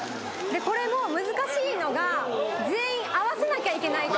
これの難しいのが全員合わせなきゃいけないところ。